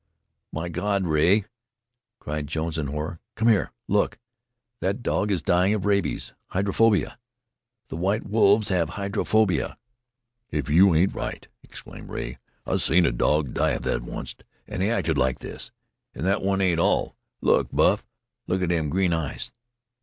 "My God! Rea!" cried Jones in horror. "Come here! Look! That dog is dying of rabies! Hydrophobia! The white wolves have hydrophobia!" "If you ain't right!" exclaimed Rea. "I seen a dog die of thet onct, an' he acted like this. An' thet one ain't all. Look, Buff! look at them green eyes!